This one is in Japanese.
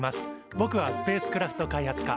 ぼくはスペースクラフト開発科。